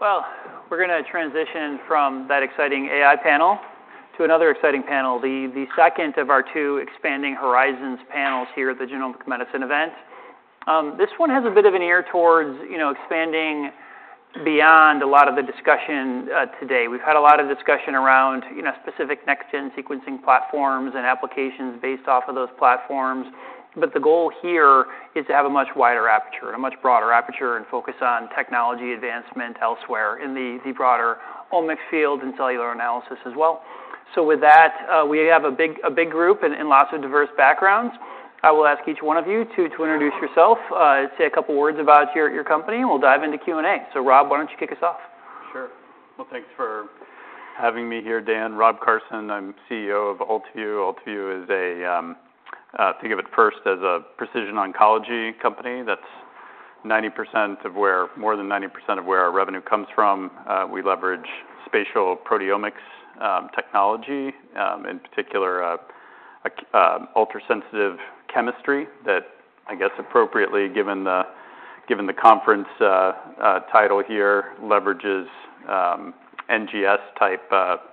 Well, we're going to transition from that exciting AI panel to another exciting panel, the second of our two Expanding Horizons panels here at the Genomic Medicine event. This one has a bit of an ear towards, you know, expanding beyond a lot of the discussion today. We've had a lot of discussion around, you know, specific next-gen sequencing platforms and applications based off of those platforms. But the goal here is to have a much wider aperture and a much broader aperture, and focus on technology advancement elsewhere in the broader omics field and cellular analysis as well. So with that, we have a big group and lots of diverse backgrounds. I will ask each one of you to introduce yourself, say a couple of words about your company, and we'll dive into Q&A. So Rob, why don't you kick us off? Sure. Well, thanks for having me here, Dan. Rob Carson, I'm CEO of Ultivue. Ultivue is a think of it first as a precision oncology company. That's 90% of where—more than 90% of where our revenue comes from. We leverage spatial proteomics technology, in particular, a ultrasensitive chemistry that, I guess, appropriately, given the conference title here, leverages NGS-type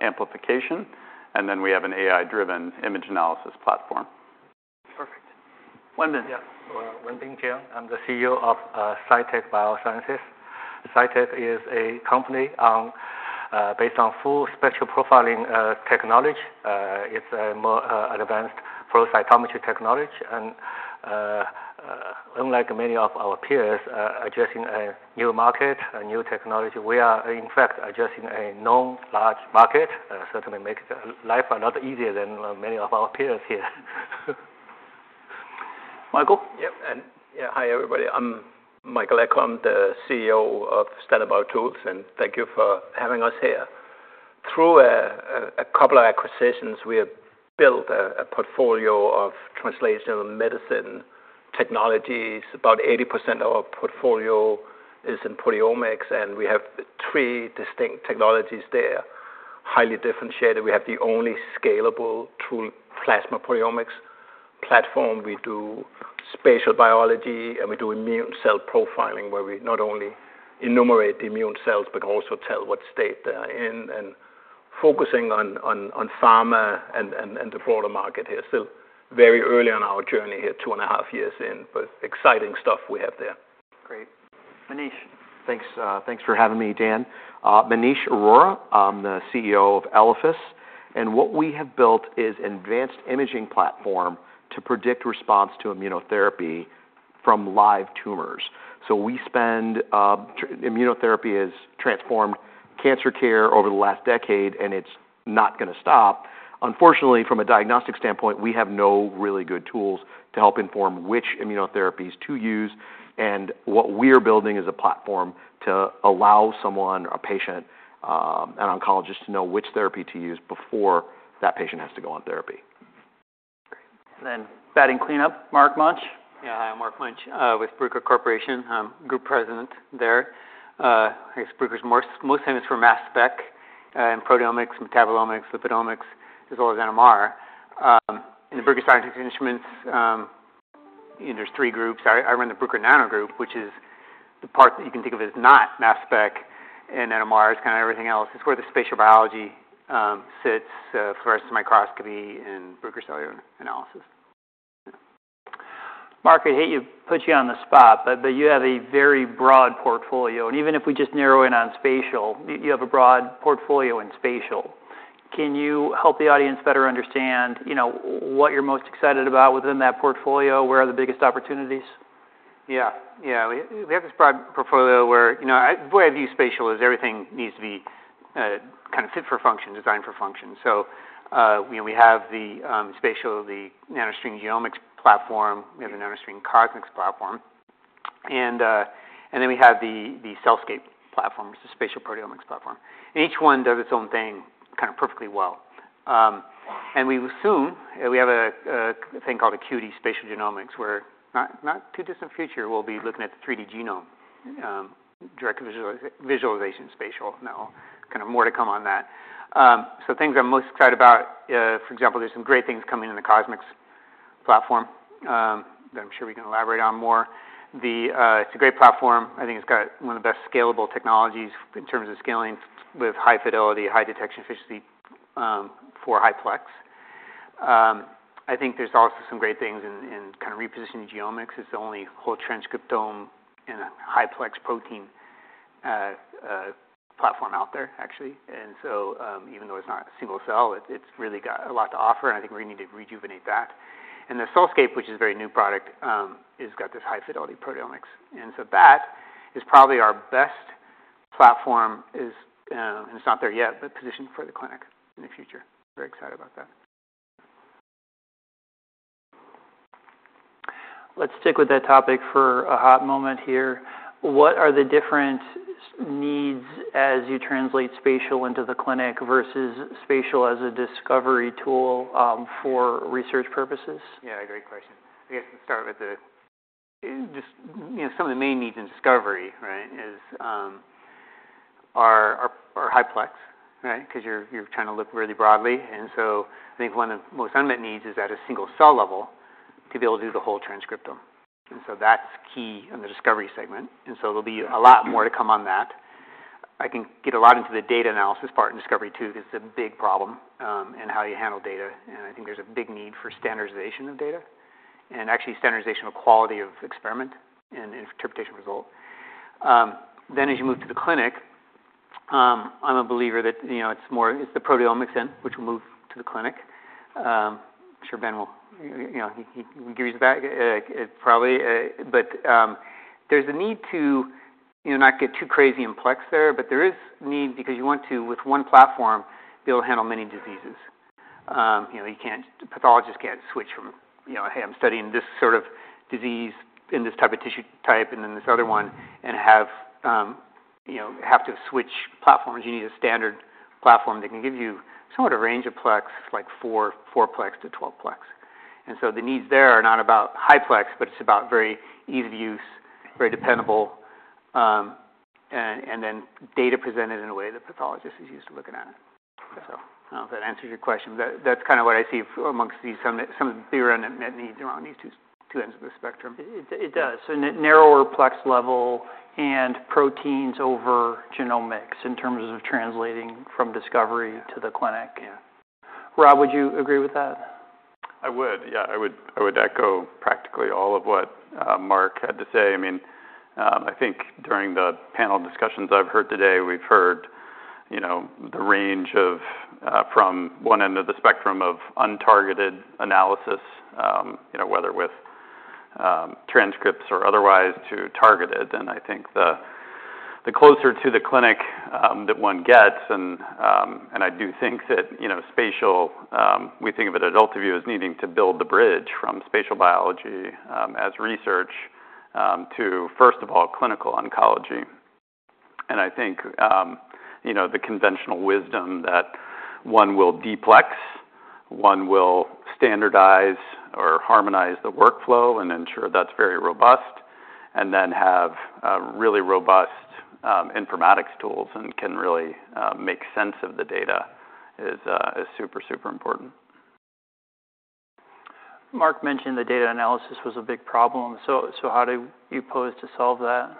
amplification, and then we have an AI-driven image analysis platform. Perfect. Wenbin? Yeah. Wenbin Jiang. I'm the CEO of, Cytek Biosciences. Cytek is a company, based on Full Spectral Profiling, technology. It's a more, advanced flow cytometry technology, and, unlike many of our peers, addressing a new market, a new technology, we are in fact, addressing a known large market. Certainly makes life a lot easier than many of our peers here. Michael? Yeah, hi, everybody. I'm Michael Egholm, the CEO of Standard BioTools, and thank you for having us here. Through a couple of acquisitions, we have built a portfolio of translational medicine technologies. About 80% of our portfolio is in proteomics, and we have three distinct technologies there, highly differentiated. We have the only scalable true plasma proteomics platform. We do spatial biology, and we do immune cell profiling, where we not only enumerate the immune cells but also tell what state they are in. And focusing on pharma and the broader market here. Still very early on our journey here, two and a half years in, but exciting stuff we have there. Great. Maneesh? Thanks, thanks for having me, Dan. Maneesh Arora, I'm the CEO of Elephas, and what we have built is an advanced imaging platform to predict response to immunotherapy from live tumors. Immunotherapy has transformed cancer care over the last decade, and it's not going to stop. Unfortunately, from a diagnostic standpoint, we have no really good tools to help inform which immunotherapies to use, and what we're building is a platform to allow someone, a patient, an oncologist, to know which therapy to use before that patient has to go on therapy. Great. Then batting cleanup, Mark Munch. Yeah. Hi, I'm Mark Munch with Bruker Corporation. I'm Group President there. I guess, Bruker's most famous for mass spec and proteomics, metabolomics, lipidomics, as well as NMR. In the Bruker Scientific Instruments, you know, there's three groups. I run the Bruker Nano Group, which is the part that you can think of as not mass spec and NMR. It's kind of everything else. It's where the spatial biology sits, fluorescent microscopy and Bruker cellular analysis. Mark, I hate to put you on the spot, but you have a very broad portfolio, and even if we just narrow in on spatial, you have a broad portfolio in spatial. Can you help the audience better understand, you know, what you're most excited about within that portfolio? Where are the biggest opportunities? Yeah, yeah. We have this broad portfolio where, you know, the way I view spatial is everything needs to be kind of fit for function, designed for function. So, you know, we have the spatial, the NanoString genomics platform. We have the NanoString CosMx platform, and then we have the CellScape platform, which is a spatial proteomics platform. And each one does its own thing kind of perfectly well. And we assume we have a thing called Acuity Spatial Genomics, where not too distant future, we'll be looking at the 3D genome direct visualization spatial. Now, kind of more to come on that. So things I'm most excited about, for example, there's some great things coming in the CosMx platform that I'm sure we can elaborate on more. It's a great platform. I think it's got one of the best scalable technologies in terms of scaling with high fidelity, high detection efficiency, for high-plex. I think there's also some great things in, in kind of repositioning genomics. It's the only whole transcriptome in a high-plex protein platform out there, actually. And so, even though it's not a single cell, it's, it's really got a lot to offer, and I think we need to rejuvenate that. And the CellScape, which is a very new product, has got this high fidelity proteomics. And so that is probably our best platform is, and it's not there yet, but positioned for the clinic in the future. Very excited about that. Let's stick with that topic for a hot moment here. What are the different needs as you translate spatial into the clinic versus spatial as a discovery tool, for research purposes? Yeah, great question. I guess, let's start with. Just, you know, some of the main needs in discovery, right, is are high-plex, right? 'Cause you're trying to look really broadly. And so I think one of the most unmet needs is at a single cell level to be able to do the whole transcriptome. And so that's key in the discovery segment, and so there'll be a lot more to come on that. I can get a lot into the data analysis part in discovery, too, 'cause it's a big problem in how you handle data, and I think there's a big need for standardization of data and actually standardization of quality of experiment and interpretation result. Then as you move to the clinic, I'm a believer that, you know, it's more, it's the proteomics end, which will move to the clinic. I'm sure Ben will, you know, he can give you his take, probably. But, there's a need to, you know, not get too crazy in plex there, but there is need because you want to, with one platform, be able to handle many diseases. You know, you can't, the pathologist can't switch from, you know, "Hey, I'm studying this sort of disease in this type of tissue type and then this other one," and have, you know, have to switch platforms. You need a standard platform that can give you somewhat a range of plex, like 4-plex to 12-plex. So the needs there are not about high-plex, but it's about very easy to use, very dependable, and then data presented in a way that pathologists is used to looking at it. So I don't know if that answers your question, but that's kind of what I see amongst some of the bigger unmet needs around these two ends of the spectrum. It does. So narrower plex level and proteins over genomics in terms of translating from discovery to the clinic. Yeah. Rob, would you agree with that? I would. Yeah, I would, I would echo practically all of what, Mark had to say. I mean, I think during the panel discussions I've heard today, we've heard, you know, the range of, from one end of the spectrum of untargeted analysis, you know, whether with, transcripts or otherwise, to targeted. And I think the, the closer to the clinic, that one gets. And, and I do think that, you know, spatial, we think of it at Ultivue as needing to build the bridge from spatial biology, as research, to, first of all, clinical oncology. I think, you know, the conventional wisdom that one will multiplex, one will standardize or harmonize the workflow and ensure that's very robust, and then have really robust informatics tools and can really make sense of the data is, is super, super important. Mark mentioned the data analysis was a big problem. So, how do you propose to solve that?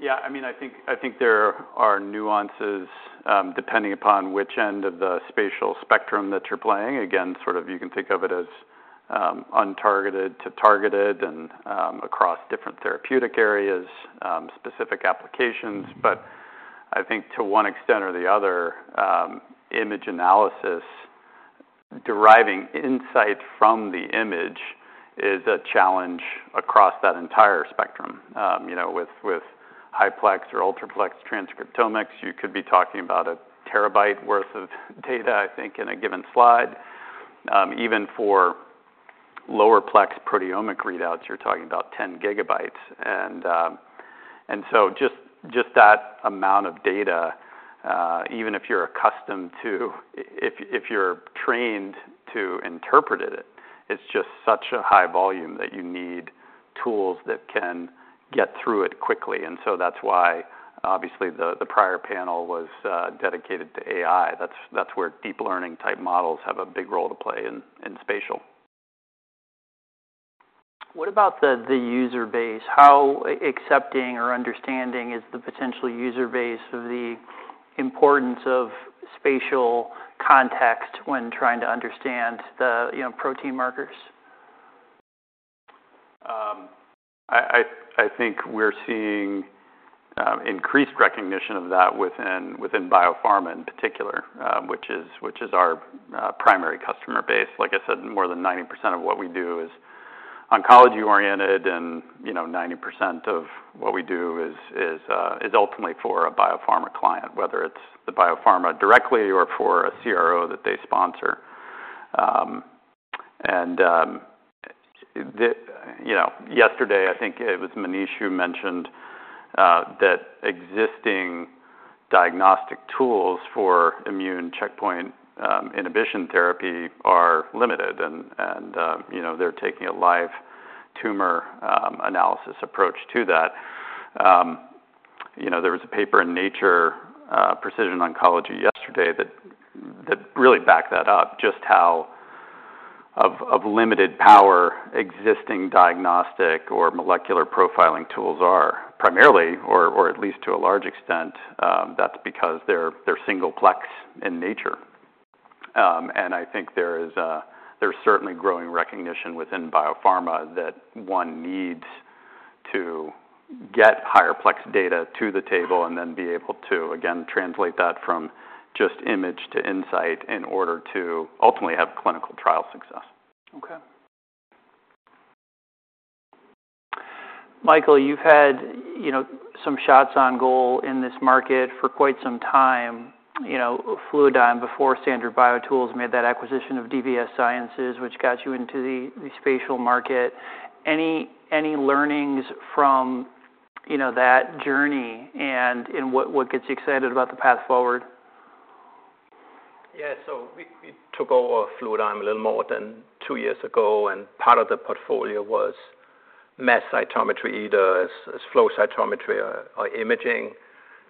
Yeah, I mean, I think, I think there are nuances, depending upon which end of the spatial spectrum that you're playing. Again, sort of you can think of it as, untargeted to targeted and, across different therapeutic areas, specific applications. But I think to one extent or the other, image analysis, deriving insight from the image is a challenge across that entire spectrum. You know, with, with high-plex or ultraplex transcriptomics, you could be talking about 1 TB worth of data, I think, in a given slide. Even for lower plex proteomic readouts, you're talking about 10 GB. And, and so just, just that amount of data, even if you're accustomed to... If, if you're trained to interpret it, it's just such a high volume that you need tools that can get through it quickly. And so that's why, obviously, the prior panel was dedicated to AI. That's where deep learning-type models have a big role to play in spatial. What about the user base? How accepting or understanding is the potential user base of the importance of spatial context when trying to understand the, you know, protein markers? I think we're seeing increased recognition of that within biopharma in particular, which is our primary customer base. Like I said, more than 90% of what we do is oncology-oriented, and, you know, 90% of what we do is ultimately for a biopharma client, whether it's the biopharma directly or for a CRO that they sponsor. You know, yesterday, I think it was Maneesh who mentioned that existing diagnostic tools for immune checkpoint inhibition therapy are limited, and, you know, they're taking a live tumor analysis approach to that. You know, there was a paper in Nature Precision Oncology yesterday that really backed that up, just how limited power existing diagnostic or molecular profiling tools are. Primarily, or at least to a large extent, that's because they're single-plex in nature. I think there's certainly growing recognition within biopharma that one needs to get higher-plex data to the table and then be able to, again, translate that from just image to insight in order to ultimately have clinical trial success. Okay. Michael, you've had, you know, some shots on goal in this market for quite some time. You know, Fluidigm, before Standard BioTools, made that acquisition of DVS Sciences, which got you into the spatial market. Any learnings from, you know, that journey and in what gets you excited about the path forward? Yeah, so we took over Fluidigm a little more than two years ago, and part of the portfolio was mass cytometry, either as flow cytometry or imaging.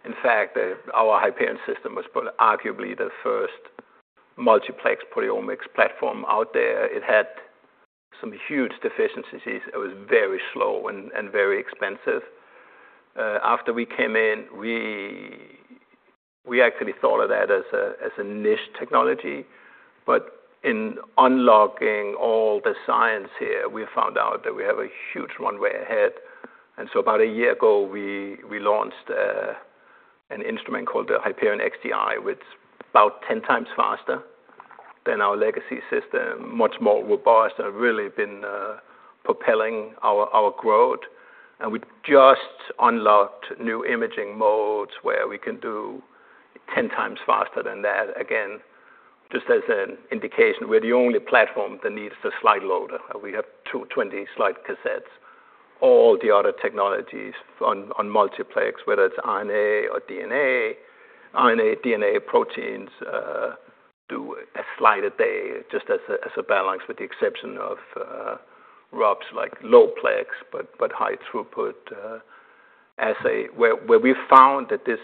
In fact, our Hyperion system was probably arguably the first multiplex proteomics platform out there. It had some huge deficiencies. It was very slow and very expensive. After we came in, we actually thought of that as a niche technology. But in unlocking all the science here, we found out that we have a huge runway ahead. And so about a year ago, we launched an instrument called the Hyperion XTi, which is about 10x faster than our legacy system, much more robust, and really been propelling our growth. And we just unlocked new imaging modes, where we can do 10x faster than that. Again, just as an indication, we're the only platform that needs the slide loader, and we have two 20-slide cassettes. All the other technologies on multiplex, whether it's RNA or DNA, RNA, DNA, proteins, do a slide a day, just as a balance, with the exception of like low-plex, but high throughput assay. Where we found that this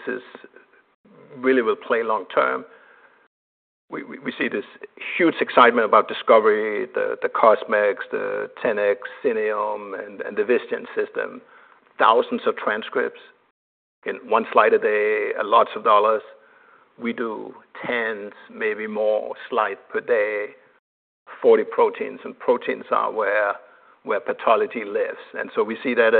really will play long term. We see this huge excitement about discovery, the CosMx, the 10x, Xenium, and the Visium system. Thousands of transcripts in one slide a day and lots of dollars. We do tens, maybe more slides per day, 40 proteins, and proteins are where pathology lives. So we see that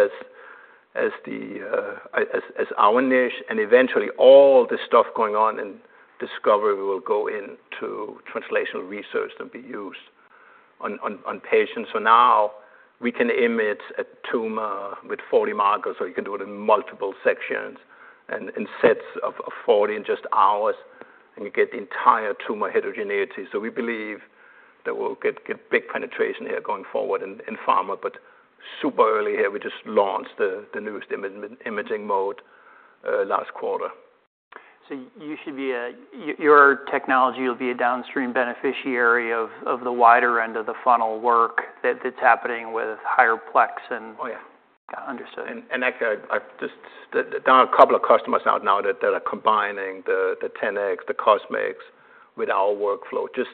as our niche, and eventually all the stuff going on in discovery will go into translational research to be used on patients. So now we can image a tumor with 40 markers, or you can do it in multiple sections and in sets of 40 in just hours, and you get the entire tumor heterogeneity. So we believe that we'll get big penetration here going forward in pharma, but super early here. We just launched the newest imaging mode last quarter. So your technology will be a downstream beneficiary of the wider end of the funnel work that's happening with higher plex and- Oh, yeah. Yeah, understood. And actually, I've just... There are a couple of customers out now that are combining the 10X, the CosMx with our workflow. Just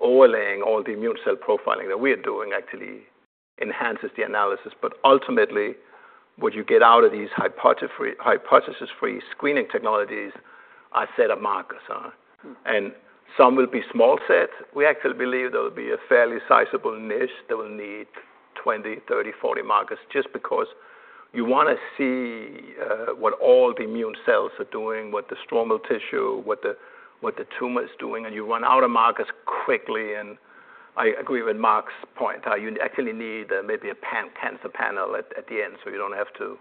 overlaying all the immune cell profiling that we are doing actually enhances the analysis. But ultimately, what you get out of these hypothesis-free screening technologies are set of markers on. Some will be small sets. We actually believe there will be a fairly sizable niche that will need 20, 30, 40 markers, just because you want to see what all the immune cells are doing, what the stromal tissue, what the, what the tumor is doing, and you run out of markers quickly. And I agree with Mark's point, how you actually need maybe a pan-cancer panel at, at the end, so you don't have to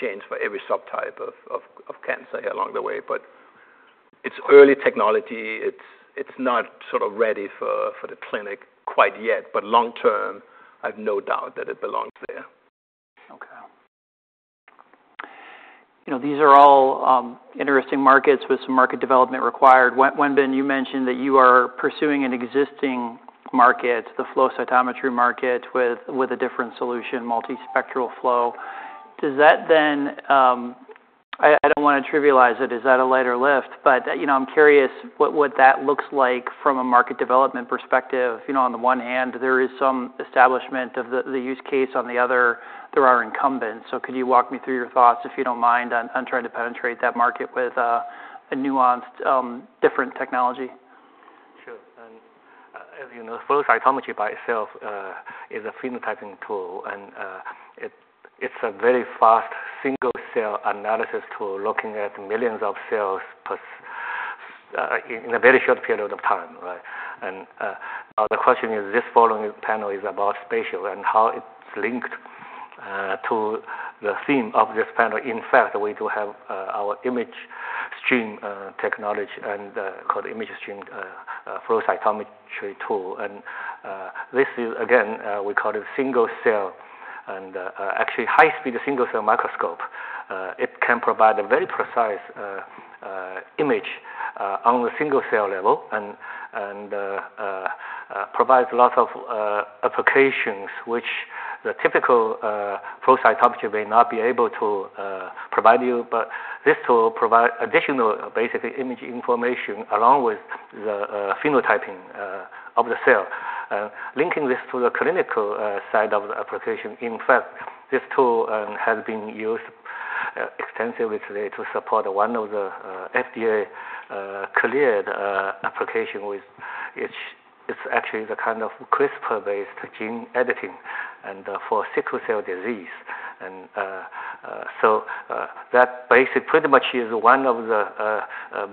change for every subtype of cancer along the way. But it's early technology. It's, it's not sort of ready for the clinic quite yet, but long term, I've no doubt that it belongs there. Okay. You know, these are all, interesting markets with some market development required. Wenbin, you mentioned that you are pursuing an existing market, the flow cytometry market, with a different solution, multispectral flow. Does that then... I don't want to trivialize it. Is that a lighter lift? But, you know, I'm curious what that looks like from a market development perspective. You know, on the one hand, there is some establishment of the use case, on the other, there are incumbents. So could you walk me through your thoughts, if you don't mind, on trying to penetrate that market with a nuanced, different technology? Sure. And as you know, flow cytometry by itself is a phenotyping tool, and it's a very fast single-cell analysis tool, looking at millions of cells plus in a very short period of time, right? And now, the question is, this following panel is about spatial and how it's linked to the theme of this panel. In fact, we do have our ImageStream technology and, called ImageStream, flow cytometry tool. And this is again, we call it single-cell and actually high-speed single-cell microscope. It can provide a very precise image on the single-cell level and provides lots of applications which the typical flow cytometry may not be able to provide you. But this tool provide additional, basically, image information along with the phenotyping of the cell. Linking this to the clinical side of the application, in fact, this tool has been used extensively to support one of the FDA cleared application with which it's actually the kind of CRISPR-based gene editing and for sickle cell disease. And so that basically pretty much is one of the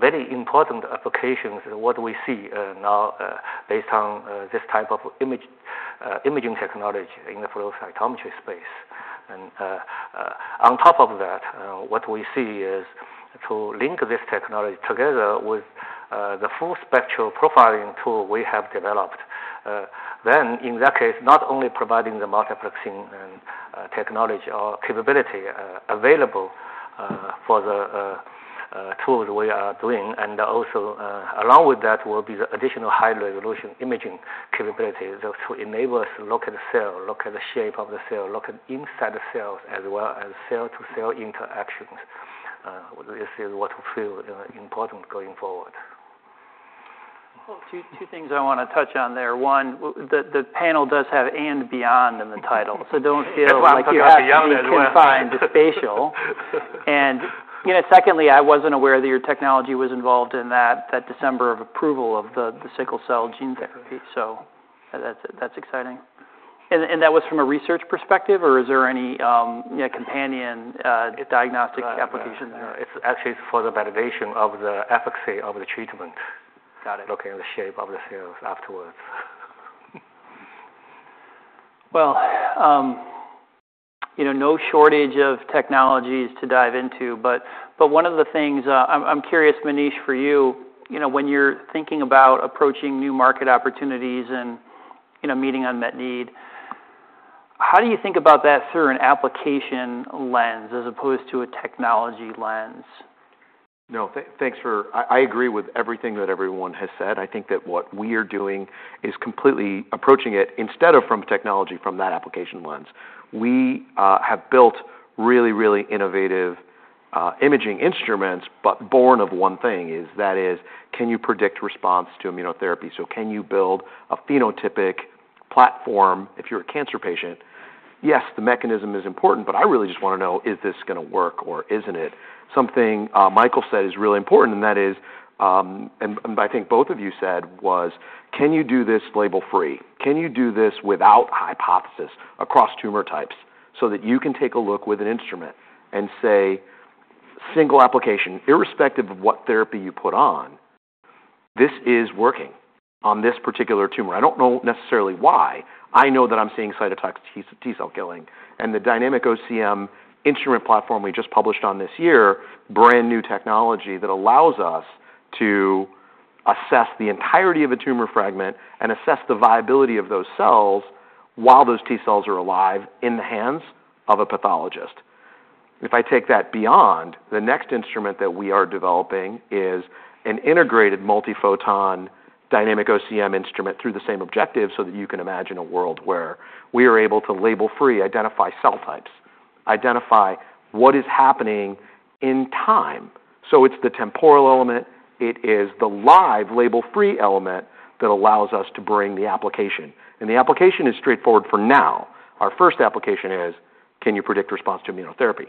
very important applications what we see now based on this type of image imaging technology in the flow cytometry space. And on top of that what we see is to link this technology together with the Full Spectral Profiling tool we have developed.. Then, in that case, not only providing the multiplexing and technology or capability available for the tools we are doing, and also, along with that, will be the additional high-resolution imaging capability. Those two enable us to look at the cell, look at the shape of the cell, look at inside the cells, as well as cell-to-cell interactions. This is what we feel, you know, important going forward. Well, two things I want to touch on there. One, the panel does have and beyond in the title, so don't feel- That's why I'm talking about beyond as well. Like you have to be confined to spatial. And, you know, secondly, I wasn't aware that your technology was involved in that, that December of approval of the, the sickle cell gene therapy, so that's exciting. And, and that was from a research perspective, or is there any, you know, companion diagnostic application? No, it's actually for the validation of the efficacy of the treatment looking at the shape of the cells afterwards. Well, you know, no shortage of technologies to dive into, but one of the things, I'm curious, Maneesh, for you, you know, when you're thinking about approaching new market opportunities and, you know, meeting unmet need, how do you think about that through an application lens as opposed to a technology lens? No, thanks for. I agree with everything that everyone has said. I think that what we are doing is completely approaching it, instead of from technology, from that application lens. We have built really, really innovative imaging instruments, but born of one thing, is that is, can you predict response to immunotherapy? So can you build a phenotypic platform if you're a cancer patient? Yes, the mechanism is important, but I really just want to know, is this going to work or isn't it? Something Michael said is really important, and that is and I think both of you said, was, "Can you do this label-free? Can you do this without hypothesis across tumor types?" So that you can take a look with an instrument and say, single application, irrespective of what therapy you put on, this is working on this particular tumor. I don't know necessarily why. I know that I'm seeing cytotoxic T-cell killing. And the Dynamic OCM instrument platform we just published on this year, brand-new technology that allows us to assess the entirety of a tumor fragment and assess the viability of those cells while those T-cells are alive in the hands of a pathologist. If I take that beyond, the next instrument that we are developing is an integrated multiphoton Dynamic OCM instrument through the same objective, so that you can imagine a world where we are able to label-free identify cell types, identify what is happening in time. So it's the temporal element, it is the live label-free element that allows us to bring the application, and the application is straightforward for now. Our first application is, can you predict response to immunotherapy?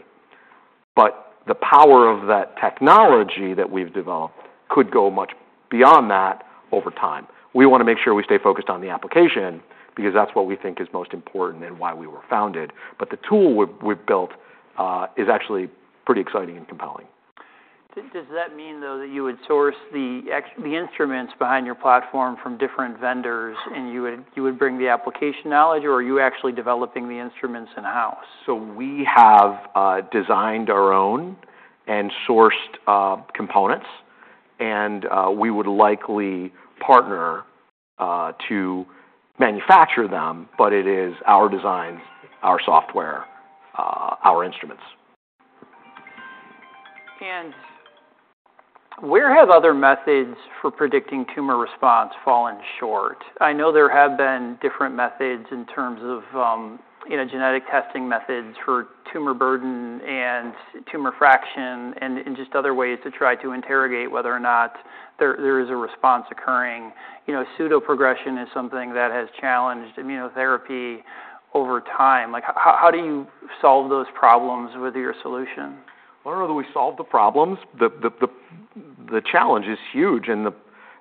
But the power of that technology that we've developed could go much beyond that over time. We want to make sure we stay focused on the application, because that's what we think is most important and why we were founded. But the tool we've built is actually pretty exciting and compelling. Does that mean, though, that you would source the instruments behind your platform from different vendors, and you would bring the application knowledge, or are you actually developing the instruments in-house? So we have designed our own and sourced components, and we would likely partner to manufacture them, but it is our design, our software, our instruments. Where have other methods for predicting tumor response fallen short? I know there have been different methods in terms of, you know, genetic testing methods for tumor burden and tumor fraction, and, and just other ways to try to interrogate whether or not there is a response occurring. You know, pseudoprogression is something that has challenged immunotherapy over time. Like, how do you solve those problems with your solution? Well, I don't know that we solve the problems. The challenge is huge, and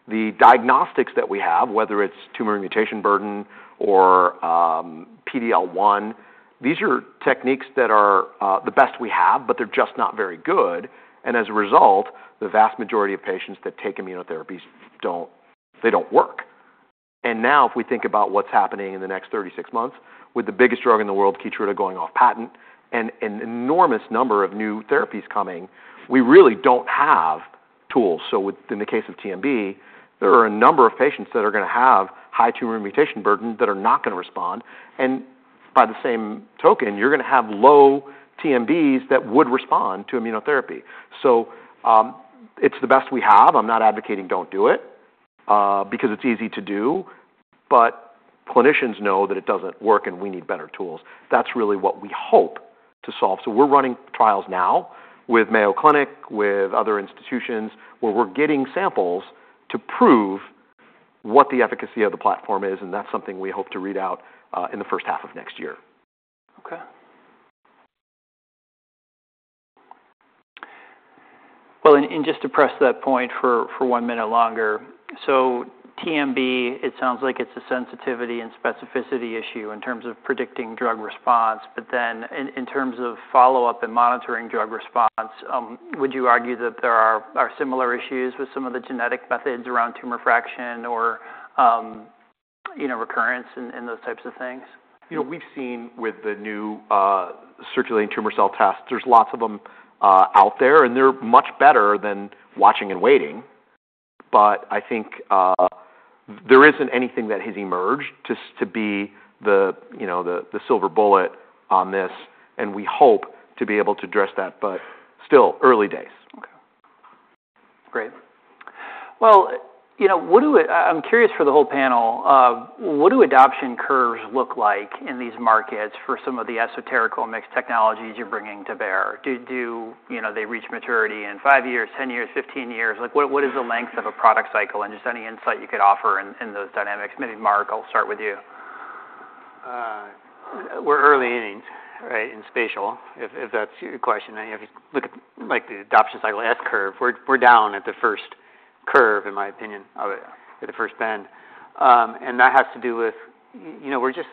the diagnostics that we have, whether it's tumor mutation burden or PD-L1, these are techniques that are the best we have, but they're just not very good. And as a result, the vast majority of patients that take immunotherapies don't. They don't work. And now, if we think about what's happening in the next 36 months, with the biggest drug in the world, Keytruda, going off patent and an enormous number of new therapies coming, we really don't have tools. So with, in the case of TMB, there are a number of patients that are going to have high tumor mutation burden that are not going to respond, and by the same token, you're going to have low TMBs that would respond to immunotherapy. So, it's the best we have. I'm not advocating don't do it, because it's easy to do, but clinicians know that it doesn't work, and we need better tools. That's really what we hope to solve. So we're running trials now with Mayo Clinic, with other institutions, where we're getting samples to prove what the efficacy of the platform is, and that's something we hope to read out, in the first half of next year. Okay. Well, just to press that point for one minute longer. So TMB, it sounds like it's a sensitivity and specificity issue in terms of predicting drug response, but then in terms of follow-up and monitoring drug response, would you argue that there are similar issues with some of the genetic methods around tumor fraction or, you know, recurrence and those types of things? You know, we've seen with the new, circulating tumor cell tests, there's lots of them, out there, and they're much better than watching and waiting but I think, there isn't anything that has emerged to be the, you know, the silver bullet on this, and we hope to be able to address that, but still early days. Okay. Great. Well, you know, I'm curious for the whole panel, what do adoption curves look like in these markets for some of the esoterical mixed technologies you're bringing to bear? Do you know, they reach maturity in five years, 10 years, 15 years? Like, what is the length of a product cycle, and just any insight you could offer in those dynamics? Maybe, Mark, I'll start with you. We're early innings, right, in spatial, if that's your question. I mean, if you look at, like, the adoption cycle S curve, we're down at the first curve, in my opinion, or the first bend. And that has to do with, you know, we're just,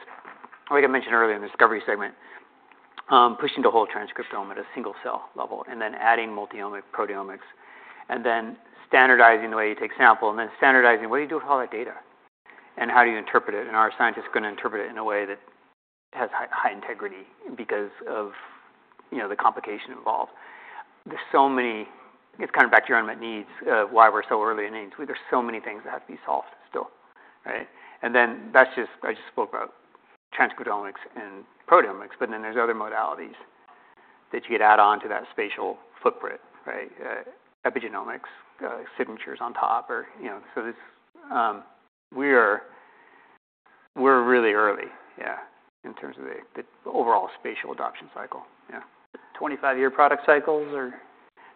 like I mentioned earlier in the discovery segment, pushing the whole transcriptome at a single cell level, and then adding multi-omic proteomics, and then standardizing the way you take sample, and then standardizing what do you do with all that data? And how do you interpret it? And are scientists gonna interpret it in a way that has high integrity because of, you know, the complication involved. There's so many... It's kind of back to unmet needs, why we're so early in innings. There's so many things that have to be solved still, right? And then that's just I just spoke about transcriptomics and proteomics, but then there's other modalities that you could add on to that spatial footprint, right? Epigenomics, signatures on top or, you know, so this, we are, we're really early, yeah, in terms of the, the overall spatial adoption cycle. Yeah. 25 year product cycles or?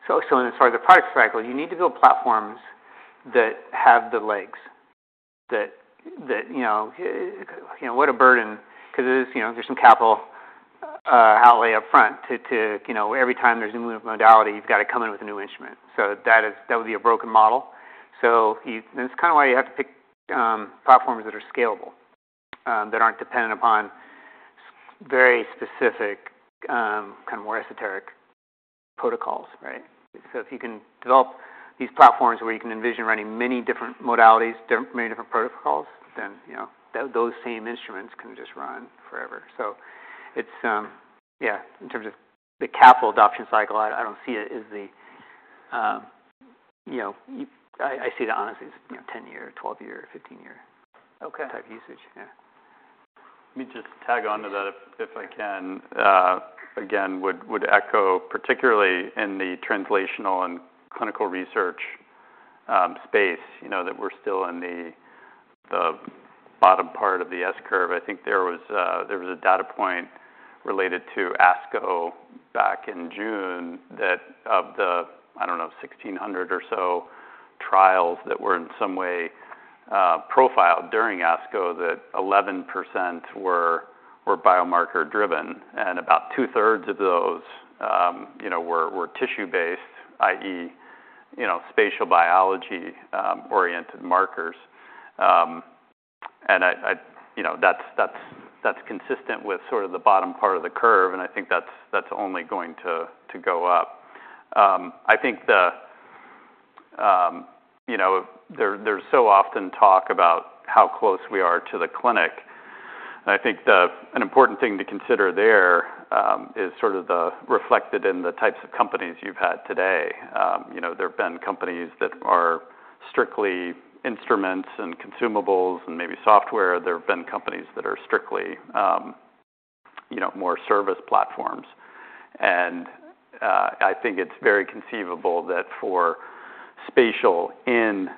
So, as far as the product cycle, you need to build platforms that have the legs, that you know. You know, what a burden, 'cause there's, you know, there's some capital outlay upfront to you know, every time there's a new modality, you've got to come in with a new instrument. So that would be a broken model. So, and it's kind of why you have to pick platforms that are scalable, that aren't dependent upon very specific kind of more esoteric protocols, right? So if you can develop these platforms where you can envision running many different modalities, different many different protocols, then, you know, those same instruments can just run forever. So it's in terms of the capital adoption cycle. I don't see it as the, you know, I see that honestly as, you know, 10-year, 12-year, 15-year type usage. Yeah. Let me just tag onto that if I can. Again, would echo, particularly in the translational and clinical research space, you know, that we're still in the bottom part of the S curve. I think there was a data point related to ASCO back in June, that of the, I don't know, 1,600 or so trials that were in some way profiled during ASCO, that 11% were biomarker driven, and about two-thirds of those, you know, were tissue based, i.e., you know, spatial biology oriented markers. And I... You know, that's consistent with sort of the bottom part of the curve, and I think that's only going to go up. I think the, you know, there's so often talk about how close we are to the clinic, and I think an important thing to consider there is sort of the, reflected in the types of companies you've had today. You know, there have been companies that are strictly instruments and consumables, and maybe software. There have been companies that are strictly, you know, more service platforms. And, I think it's very conceivable that for spatial in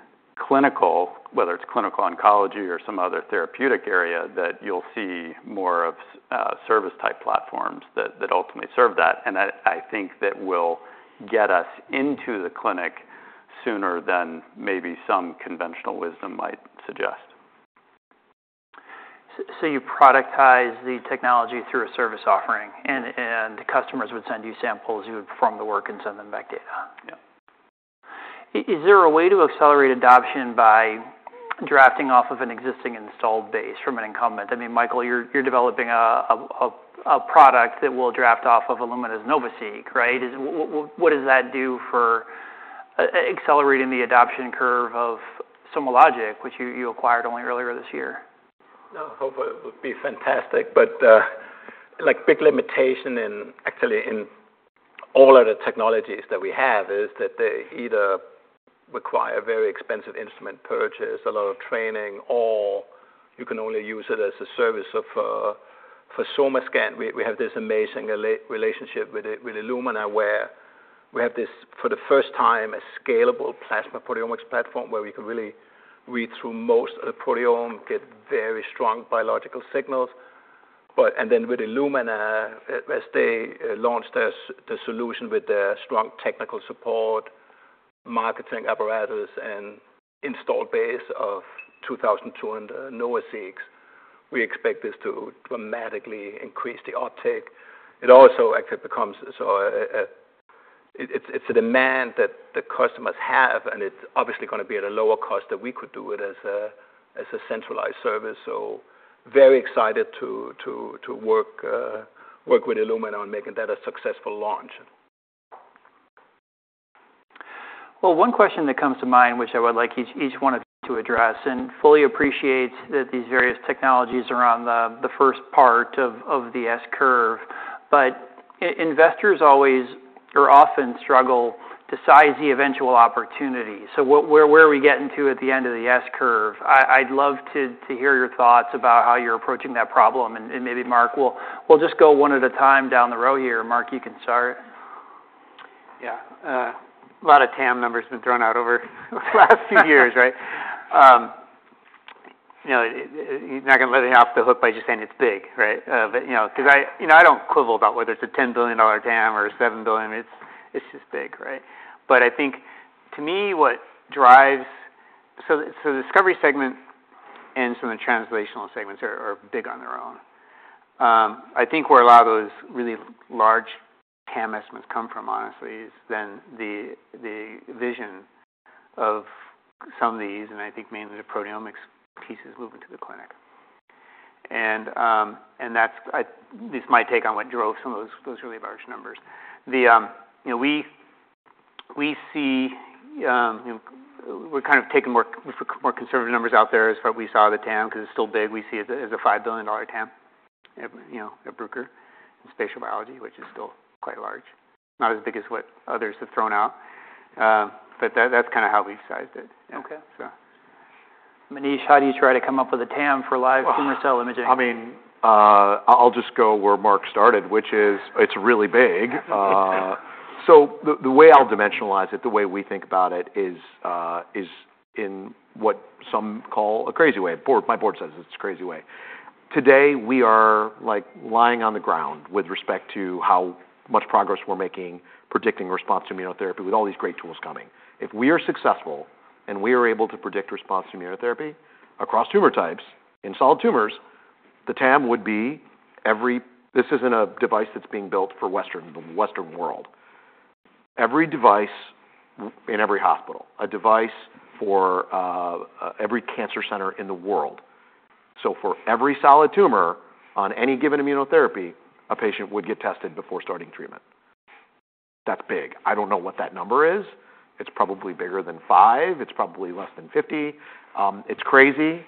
clinical, whether it's clinical oncology or some other therapeutic area, that you'll see more of service type platforms that, that ultimately serve that. And that, I think, that will get us into the clinic sooner than maybe some conventional wisdom might suggest. So you productize the technology through a service offering, and the customers would send you samples, you would perform the work and send them back data? Yeah. Is there a way to accelerate adoption by drafting off of an existing installed base from an incumbent? I mean, Michael, you're developing a product that will draft off of Illumina's NovaSeq, right? What does that do for accelerating the adoption curve of SomaLogic, which you acquired only earlier this year? No, hopefully it would be fantastic, but, like, big limitation in, actually in all of the technologies that we have, is that they either require very expensive instrument purchase, a lot of training, or you can only use it as a service of... For SomaScan, we, we have this amazing relationship with Illumina, where we have this, for the first time, a scalable plasma proteomics platform, where we can really read through most of the proteome, get very strong biological signals. But, and then with Illumina, as they launched the solution with their strong technical support, marketing apparatus, and installed base of 2,200 NovaSeq, we expect this to dramatically increase the uptake. It also actually becomes so, it's a demand that the customers have, and it's obviously gonna be at a lower cost than we could do it as a centralized service, so very excited to work with Illumina on making that a successful launch. Well, one question that comes to mind, which I would like each one of you to address, and fully appreciate that these various technologies are on the first part of the S curve... but investors always or often struggle to size the eventual opportunity. So where are we getting to at the end of the S curve? I'd love to hear your thoughts about how you're approaching that problem. And maybe Mark, we'll just go one at a time down the row here. Mark, you can start. Yeah, a lot of TAM numbers have been thrown out over the last few years, right? You know, you're not going to let me off the hook by just saying it's big, right? But, you know, because I... You know, I don't quibble about whether it's a $10 billion TAM or a $7 billion. It's, it's just big, right? But I think to me, what drives. So the discovery segment and some of the translational segments are big on their own. I think where a lot of those really large TAM estimates come from, honestly, is then the vision of some of these, and I think mainly the proteomics pieces moving to the clinic. And, and that's this is my take on what drove some of those really large numbers. You know, we see, you know, we're kind of taking more conservative numbers out there as what we saw the TAM, because it's still big. We see it as a $5 billion TAM, you know, at Bruker, in spatial biology, which is still quite large. Not as big as what others have thrown out, but that's kind of how we've sized it. Okay. Maneesh, how do you try to come up with a TAM for live tumor cell imaging? I mean, I'll just go where Mark started, which is, it's really big. So the way I'll dimensionalize it, the way we think about it is, in what some call a crazy way. My board says it's a crazy way. Today, we are, like, lying on the ground with respect to how much progress we're making, predicting response to immunotherapy with all these great tools coming. If we are successful, and we are able to predict response to immunotherapy across tumor types in solid tumors, the TAM would be every. This isn't a device that's being built for the Western world. Every device in every hospital, a device for every cancer center in the world. So for every solid tumor on any given immunotherapy, a patient would get tested before starting treatment. That's big. I don't know what that number is. It's probably bigger than five; it's probably less than 50. It's crazy,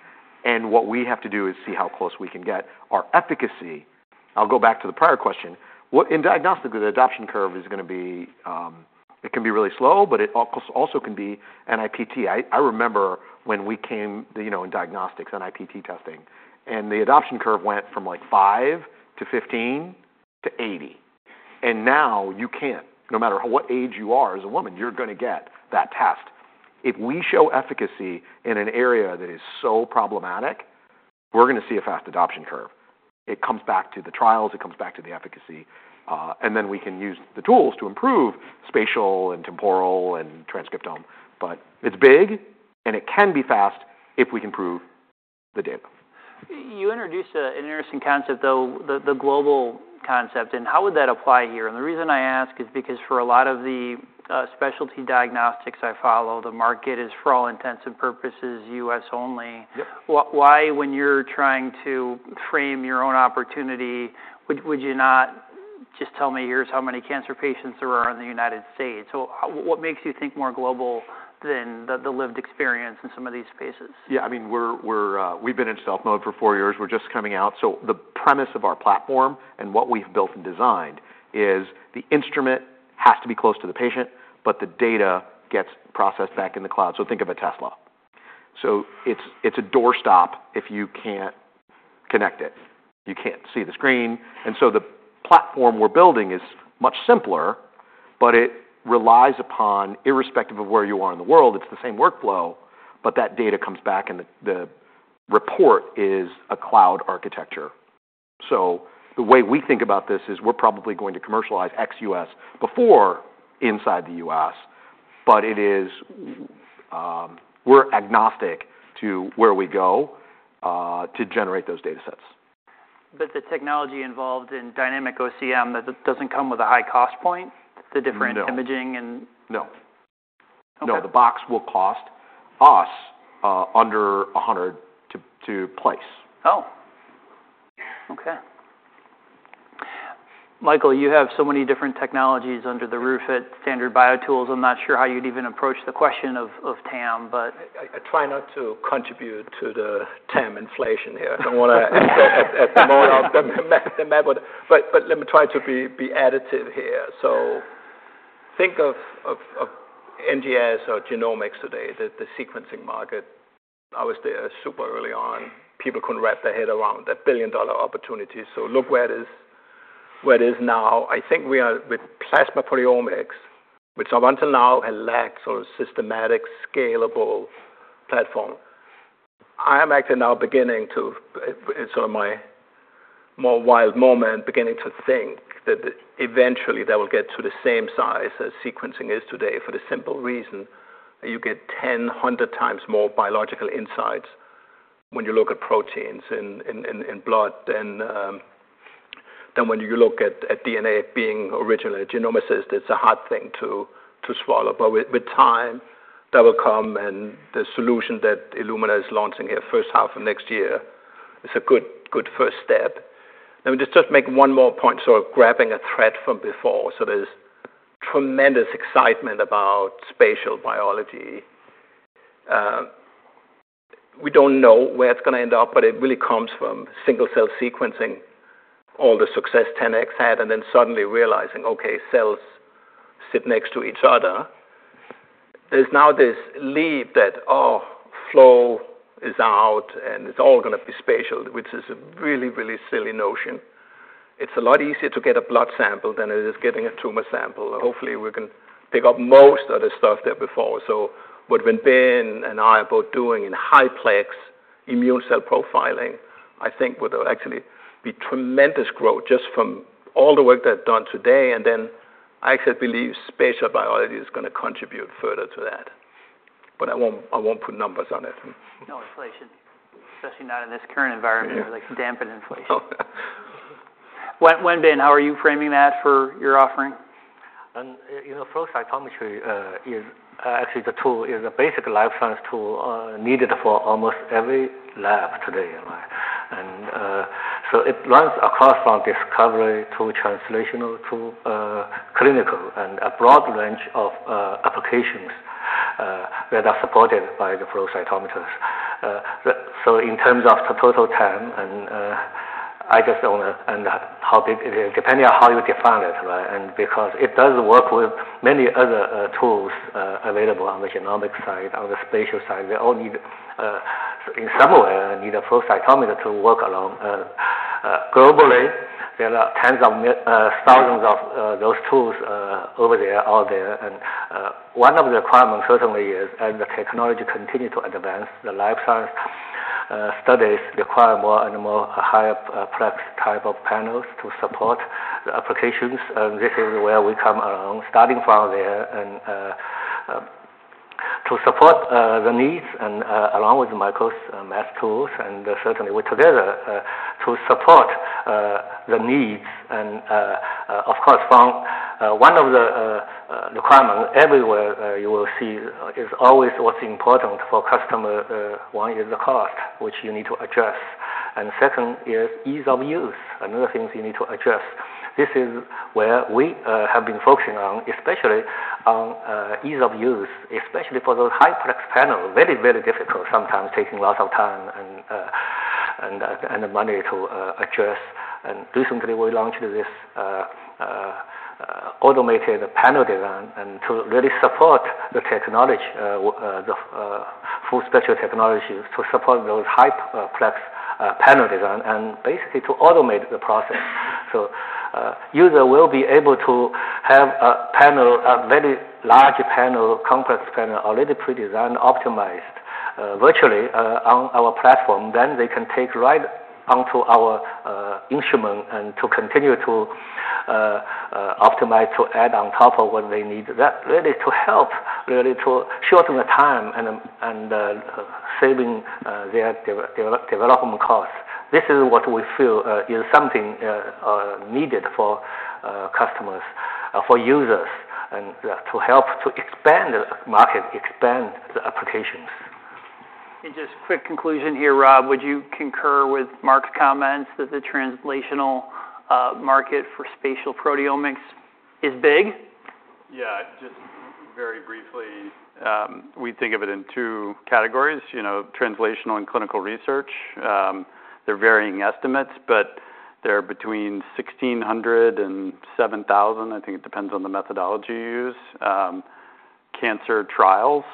and what we have to do is see how close we can get. Our efficacy... I'll go back to the prior question. What- in diagnostic, the adoption curve is going to be, it can be really slow, but it also, also can be NIPT. I, I remember when we came, you know, in diagnostics on NIPT testing, and the adoption curve went from, like, five to 15 to 80. And now you can't, no matter what age you are, as a woman, you're going to get that test. If we show efficacy in an area that is so problematic, we're going to see a fast adoption curve. It comes back to the trials; it comes back to the efficacy. And then we can use the tools to improve spatial and temporal and transcriptome. But it's big, and it can be fast if we can prove the dip. You introduced an interesting concept, though, the global concept, and how would that apply here? The reason I ask is because for a lot of the specialty diagnostics I follow, the market is, for all intents and purposes, U.S. only. Yep. Why, when you're trying to frame your own opportunity, would you not just tell me, "Here's how many cancer patients there are in the United States?" So what makes you think more global than the lived experience in some of these spaces? Yeah, I mean, we've been in stealth mode for four years. We're just coming out. So the premise of our platform and what we've built and designed is the instrument has to be close to the patient, but the data gets processed back in the cloud. So think of a Tesla. So it's, it's a doorstop if you can't connect it, you can't see the screen. And so the platform we're building is much simpler, but it relies upon, irrespective of where you are in the world, it's the same workflow, but that data comes back, and the, the report is a cloud architecture. So the way we think about this is we're probably going to commercialize ex-US before inside the US, but it is, we're agnostic to where we go, to generate those datasets. But the technology involved in Dynamic OCM, that doesn't come with a high cost point, the different imaging and- No. Okay. No, the box will cost us under $100 to place. Oh! Okay. Michael, you have so many different technologies under the roof at Standard BioTools. I'm not sure how you'd even approach the question of TAM, but- I try not to contribute to the TAM inflation here. I don't want to add more of them, but let me try to be additive here. So think of NGS or genomics today, the sequencing market. I was there super early on. People couldn't wrap their head around that billion-dollar opportunity. So look where it is now. I think we are with plasma proteomics, which up until now, a lack of a systematic, scalable platform. I am actually now beginning to, in some of my more wild moment, beginning to think that eventually that will get to the same size as sequencing is today, for the simple reason that you get 10, 100 times more biological insights when you look at proteins in blood than when you look at DNA. Being originally a genomicist, it's a hard thing to swallow. But with time, that will come, and the solution that Illumina is launching here first half of next year is a good first step. Let me just make one more point, sort of grabbing a thread from before. So there's tremendous excitement about spatial biology. We don't know where it's gonna end up, but it really comes from single-cell sequencing, all the success 10x had, and then suddenly realizing, okay, cells sit next to each other. There's now this leap that, oh, flow is out, and it's all gonna be spatial, which is a really, really silly notion. It's a lot easier to get a blood sample than it is getting a tumor sample, and hopefully we can pick up most of the stuff there before. So what Wenbin and I are both doing in high-plex immune cell profiling, I think would actually be tremendous growth just from all the work that's done today, and then I actually believe spatial biology is gonna contribute further to that. But I won't, I won't put numbers on it. No inflation, especially not in this current environment, where they can dampen inflation. Wenbin, how are you framing that for your offering? You know, flow cytometry is actually the tool is a basic life science tool needed for almost every lab today, right? So it runs across from discovery to translational to clinical and a broad range of applications that are supported by the flow cytometers. So in terms of the total TAM, I just don't know how big it is, depending on how you define it, right? And because it does work with many other tools available on the genomics side, on the spatial side, they all need in some way need a flow cytometer to work around. Globally, there are tens of thousands of those tools out there. One of the requirements certainly is, as the technology continue to advance, the life science studies require more and more higher plex type of panels to support the applications, and this is where we come along, starting from there. To support the needs and, along with Michael's tools, and certainly we're together to support the needs. Of course, from one of the requirement everywhere you will see is always what's important for customer, one is the cost, which you need to address, and second is ease of use, another things you need to address. This is where we have been focusing on, especially on ease of use, especially for those high-plex panel. Very, very difficult, sometimes taking lots of time and money to address. And recently, we launched this automated panel design and to really support the technology, the full spectral technologies to support those high-plex panel design, and basically to automate the process. So, user will be able to have a panel, a very large panel, complex panel, already pre-designed, optimized virtually on our platform. Then they can take right onto our instrument and to continue to optimize to add on top of what they need. That really to help, really to shorten the time and, and saving their development costs. This is what we feel is something needed for customers for users, and to help to expand the market, expand the applications. Just quick conclusion here, Rob, would you concur with Mark's comments that the translational market for spatial proteomics is big? Yeah, just very briefly. We think of it in two categories, you know, translational and clinical research. There are varying estimates, but they're between 1,600 and 7,000. I think it depends on the methodology you use. Cancer trials,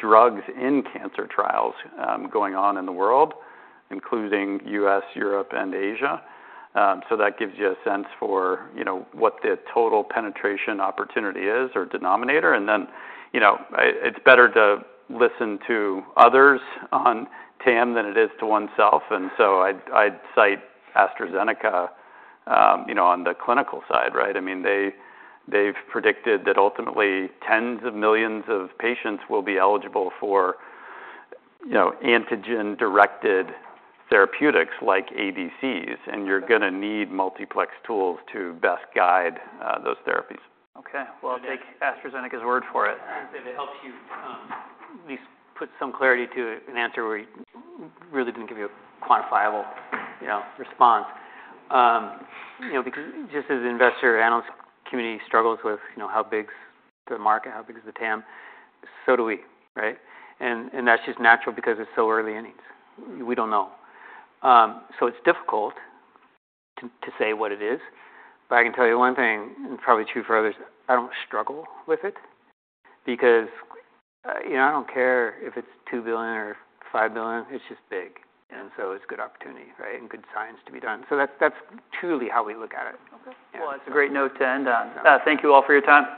drugs in cancer trials, going on in the world, including U.S., Europe, and Asia. So that gives you a sense for, you know, what the total penetration opportunity is or denominator. And then, you know, it's better to listen to others on TAM than it is to oneself, and so I'd cite AstraZeneca, you know, on the clinical side, right? I mean, they, they've predicted that ultimately, tens of millions of patients will be eligible for, you know, antigen-directed therapeutics like ADCs, and you're gonna need multiplex tools to best guide those therapies. Okay, well, I'll take AstraZeneca's word for it. I'd say that helps you at least put some clarity to an answer where you really didn't give you a quantifiable, you know, response. You know, because just as the investor analyst community struggles with, you know, how big's the market, how big is the TAM, so do we, right? And that's just natural because it's so early innings. We don't know. So it's difficult to say what it is, but I can tell you one thing, and probably true for others, I don't struggle with it because, you know, I don't care if it's $2 billion or $5 billion, it's just big, and so it's a good opportunity, right? And good science to be done. So that's truly how we look at it. Okay. Well, that's a great note to end on. Thank you all for your time.